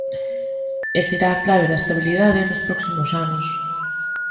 E será a clave da estabilidade nos próximos anos.